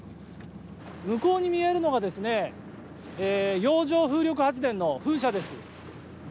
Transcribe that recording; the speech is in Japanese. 向こうに見えるのが洋上風力発電の風車です。